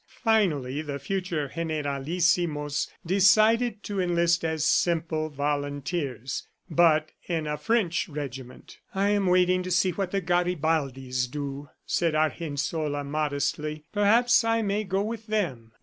Finally the future generalissimos, decided to enlist as simple volunteers ... but in a French regiment. "I am waiting to see what the Garibaldis do," said Argensola modestly. "Perhaps I may go with them."